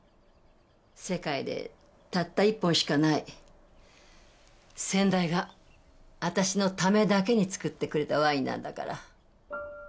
世界でたった一本しかない先代が私のためだけに作ってくれたワインなんだから。